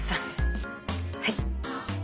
はい。